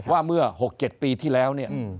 ว่าเมื่อ๖๗ปีที่แล้ว